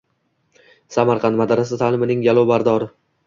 Samarqand – madrasa taʼlimining yalovbardori